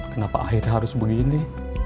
kenapa akhirnya harus begini